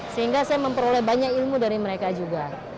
sehingga saya memperoleh banyak ilmu dari mereka juga